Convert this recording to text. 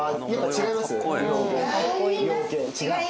違います。